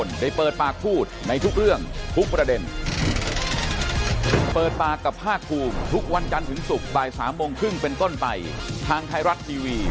ใช้รักใจระบบกิ๊กปรุกรกษาที่ราชการด้วย